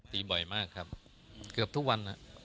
บ่อยมากครับเกือบทุกวัน